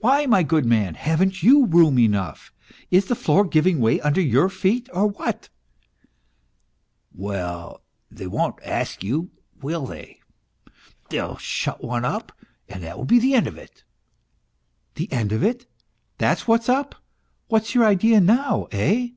Why, my good man, haven't you room enough ? Is the floor giving way under your feet, or what ?"" Well, they won't ask you, will they ? They'll shut one up and that will be the end of it ?"" The end of it ? That's what's up ? What's your idea now, eh?"